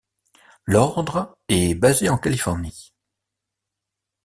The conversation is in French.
L'Ordre est basé en Californie.